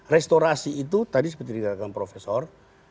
restorasi itu tadi seperti dikatakan profesor